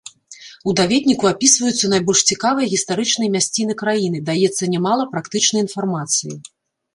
У даведніку апісваюцца найбольш цікавыя гістарычныя мясціны краіны, даецца нямала практычнай інфармацыі.